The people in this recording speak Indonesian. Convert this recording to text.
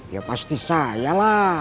ya pasti saya lah